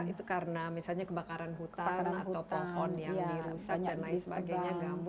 itu karena misalnya kebakaran hutan atau pohon yang dirusak dan lain sebagainya gambut